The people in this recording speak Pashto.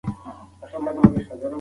هغه د اوبو واک هم غوښت.